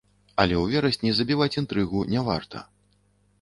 Але ў верасні забіваць інтрыгу не варта.